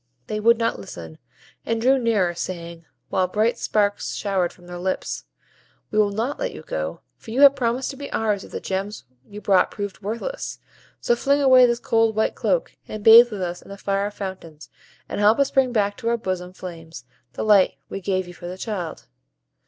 They would not listen; and drew nearer, saying, while bright sparks showered from their lips, "We will not let you go, for you have promised to be ours if the gems you brought proved worthless; so fling away this cold white cloak, and bathe with us in the fire fountains, and help us bring back to our bosom flames the light we gave you for the child."